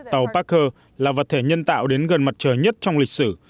tàu parker là vật thể nhân tạo đến gần mặt trời nhất trong lịch sử